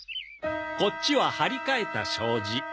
こっちは張り替えた障子。